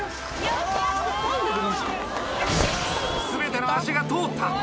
全ての足が通った。